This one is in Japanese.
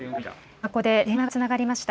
ここで電話がつながりました。